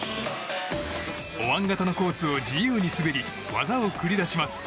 おわん形のコースを自由に滑り技を繰り出します。